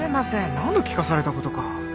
何度聞かされたことか。